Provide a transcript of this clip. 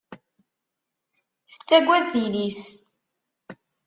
Tettaggad tili-s.